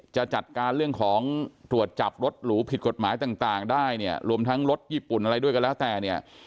จะจัดการเรื่องของตรวจจับรถหรูผิดกฎหมายต่างได้เนี่ยรวมทั้งรถญี่ปุ่นอะไรด้วยก็แล้วแต่เนี่ย